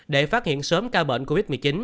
để phát hiện sớm ca bệnh covid một mươi chín